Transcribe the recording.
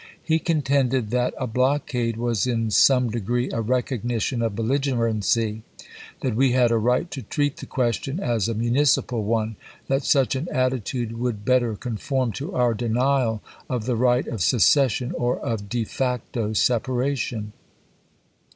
He contended that 8 ABRAHAM LINCOLN CHAP. I. a blockade was in some degree a recognition of belligerency; that we had a right to treat the question as a municipal one ; that such an attitude would better conform to our denial of the right of secession, or of de facto separation.